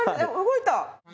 動いた。